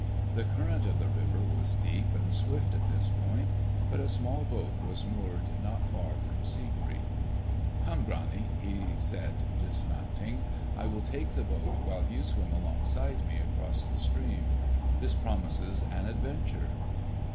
The current of the river was deep and swift at this point, but a small boat was moored not far from Siegfried. "Come, Grani!" he said dismounting; "I will take the boat, while you swim beside me across the stream. This promises an adventure!"